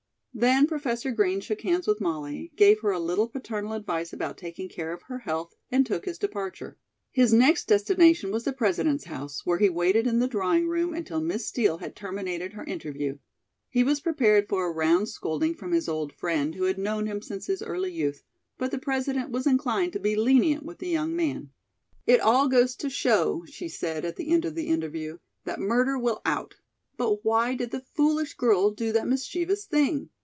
Then Professor Green shook hands with Molly, gave her a little paternal advice about taking care of her health, and took his departure. His next destination was the President's house, where he waited in the drawing room until Miss Steel had terminated her interview. He was prepared for a round scolding from his old friend, who had known him since his early youth, but the President was inclined to be lenient with the young man. "It all goes to show," she said at the end of the interview, "that murder will out. But why did the foolish girl do that mischievous thing?